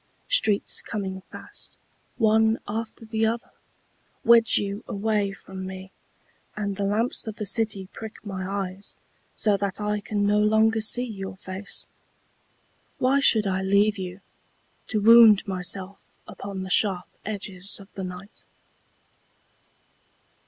Streets coming fast, One after the other, Wedge you away from me, And the lamps of the city prick my eyes So that I can no longer see your face. Why should I leave you, To wound myself upon the sharp edges of the night?